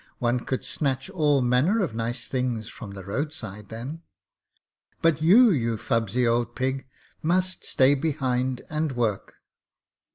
One could snatch all manner of nice things from the roadside then. 'But you, you fubsy old pig, must stay behind and work.'